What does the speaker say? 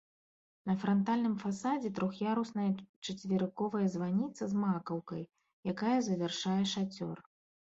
На франтальным фасадзе трох'ярусная чацверыковая званіца з макаўкай, якая завяршае шацёр.